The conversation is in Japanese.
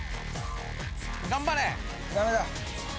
・頑張れ！